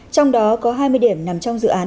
trong đó có hai mươi điểm nằm trong dự án